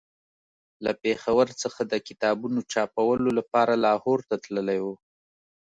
له پېښور څخه د کتابونو چاپولو لپاره لاهور ته تللی وم.